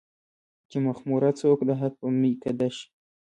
چې مخموره څوک د حق په ميکده شي